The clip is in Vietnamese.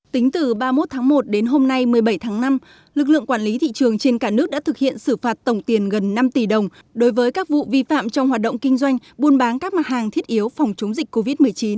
tính từ ba mươi một tháng một đến hôm nay một mươi bảy tháng năm lực lượng quản lý thị trường trên cả nước đã thực hiện xử phạt tổng tiền gần năm tỷ đồng đối với các vụ vi phạm trong hoạt động kinh doanh buôn bán các mặt hàng thiết yếu phòng chống dịch covid một mươi chín